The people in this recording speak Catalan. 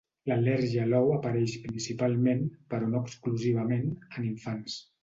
L'al·lèrgia a l'ou apareix principalment, però no exclusivament, en infants.